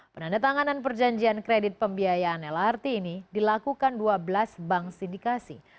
penandatanganan perjanjian kredit pembiayaan lrt ini dilakukan dua belas bank sindikasi